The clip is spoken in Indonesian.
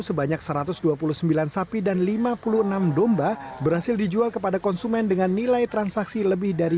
sebanyak satu ratus dua puluh sembilan sapi dan lima puluh enam domba berhasil dijual kepada konsumen dengan nilai transaksi lebih dari